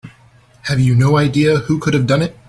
Have you no idea who could have done it?